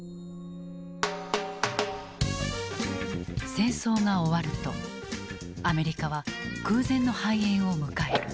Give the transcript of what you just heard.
戦争が終わるとアメリカは空前の繁栄を迎える。